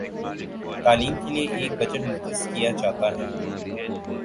تعلیم کے لیے ایک بجٹ مختص کیا جاتا ہے